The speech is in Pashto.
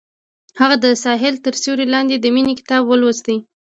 هغې د ساحل تر سیوري لاندې د مینې کتاب ولوست.